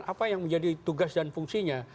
apa yang menjadi tugas dan fungsinya